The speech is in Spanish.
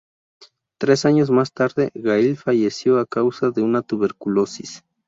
Tres años más tarde Gail falleció a causa de una tuberculosis.